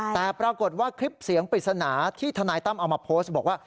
แต่ปรากฏว่าคลิปเสียงปริศนาที่ทนายตั้มเอามาโพสต์บอกว่า